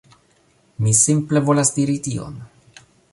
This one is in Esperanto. Mi simple volas diri tion.